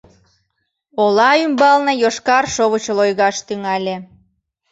Ола ӱмбалне йошкар шовыч лойгаш тӱҥале.